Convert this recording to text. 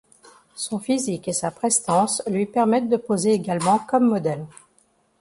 Son physique et sa prestance lui permettent de poser également comme modèle.